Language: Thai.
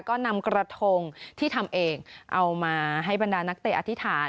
ก็นำกระทงที่ทำเองเอามาให้บรรดานักเตะอธิษฐาน